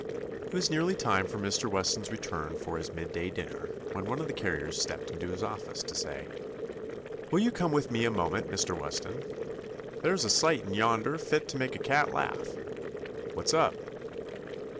It was nearly time for Mr. Wes ton's return for his midday dinner when one of the carriers stepped into his office to say: "Will you come with me a moment, Mr. Weston'? There's a sight in yonder fit to make a cat laugh." "What's up?'